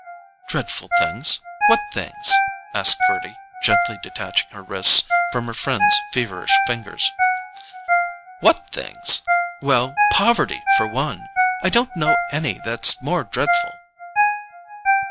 "Dreadful things—what things?" asked Gerty, gently detaching her wrists from her friend's feverish fingers. "What things? Well, poverty, for one—and I don't know any that's more dreadful."